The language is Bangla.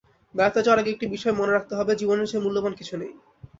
বেড়াতে যাওয়ার আগে একটি বিষয় মনে রাখতে হবে, জীবনের চেয়ে মূল্যবান কিছু নেই।